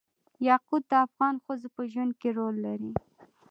یاقوت د افغان ښځو په ژوند کې رول لري.